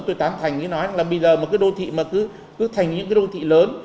tôi tán thành như nói là bây giờ mà cứ đô thị mà cứ thành những cái đô thị lớn